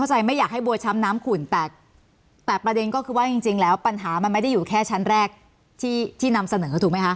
เข้าใจค่ะคุณโออย่างนี้อย่างนี้ขออภัยเดี๋ยวฉันต้องบริหารเวลาด้วยขออภัยจริงนะคะ